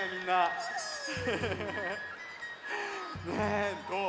ねえどう？